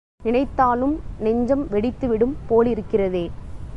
நினைத்தாலும் நெஞ்சம் வெடித்துவிடும் போலிருக்கிறதே!